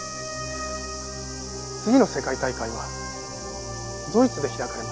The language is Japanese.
次の世界大会はドイツで開かれます。